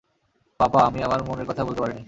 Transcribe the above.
পাপা, আমি আমার মনের কথা বলতে পারিনি।